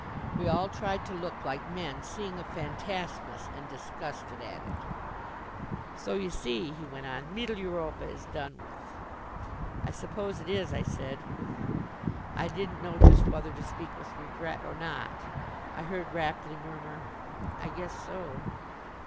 We all tried to look like men seeing a fantasmus and disgusted at it. "So you see," he went on, "Mittel Europa is done with." "I suppose it is," I said. I didn't know just whether to speak with regret or not. I heard Rapley murmur, "I guess so."